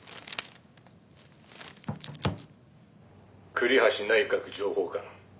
「栗橋内閣情報官」